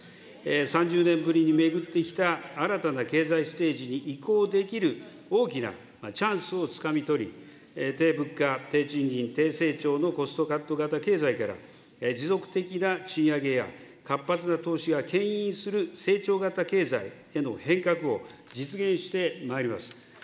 ３０年ぶりに巡ってきた新たな経済ステージに移行できる大きなチャンスをつかみ取り、低物価、低賃金、低成長のコストカット型経済から、持続的な賃上げや、活発な投資がけん引する成長型経済への変革を実現してまいります。